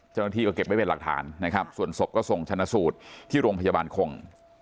จนทีก็เก็บไว้เป็นหลักฐานส่วนศพก็ส่งชนะสูตรที่โรงพยาบาลคง